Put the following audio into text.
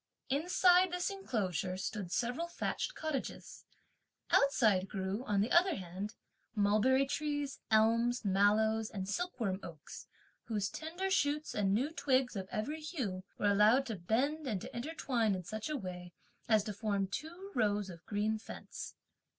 Inside this enclosure, stood several thatched cottages. Outside grew, on the other hand, mulberry trees, elms, mallows, and silkworm oaks, whose tender shoots and new twigs, of every hue, were allowed to bend and to intertwine in such a way as to form two rows of green fence.